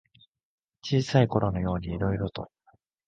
小さいころのようにいろいろと。